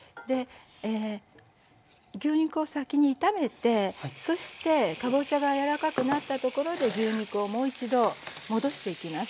牛肉を先に炒めてそしてかぼちゃが柔らかくなったところで牛肉をもう一度戻していきます。